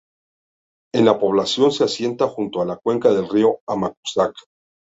La población se asienta junto a la cuenca del río Amacuzac.